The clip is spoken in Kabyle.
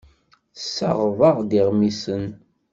Tessaɣeḍ-aɣ-d iɣmisen.